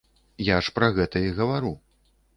Я ж пра гэта і гавару.